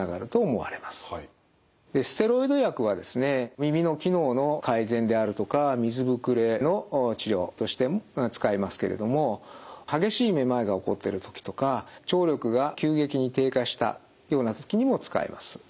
耳の機能の改善であるとか水ぶくれの治療として使いますけれども激しいめまいが起こってる時とか聴力が急激に低下したような時にも使えます。